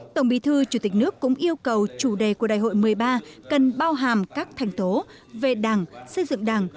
tổng bí thư chủ tịch nước cũng yêu cầu chủ đề của đại hội một mươi ba cần bao hàm các thành tố về đảng xây dựng đảng